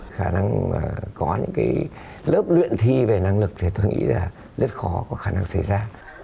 khả năng có những cái lớp luyện thi về năng lực thì tôi nghĩ là rất khó có khả năng xảy ra